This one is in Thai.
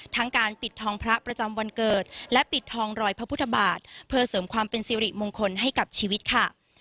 การปิดทองพระประจำวันเกิดและปิดทองรอยพระพุทธบาทเพื่อเสริมความเป็นสิริมงคลให้กับชีวิตค่ะ